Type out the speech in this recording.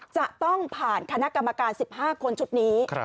จะต้องผ่านคณะกรรมการ๑๕คนชุดนี้